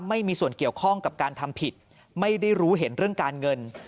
ไม่มีส่วนเกี่ยวข้องกับการทำผิดไม่ได้รู้เห็นเรื่องการเงิน